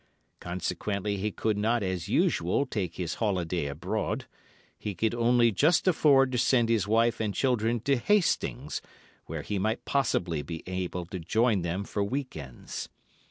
Consequently, he could not as usual take his holiday abroad; he could only just afford to send his wife and children to Hastings, where he might possibly be able to join them for week ends.